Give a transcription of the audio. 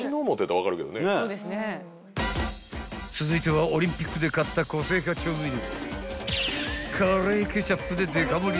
［続いてはオリンピックで買った個性派調味料］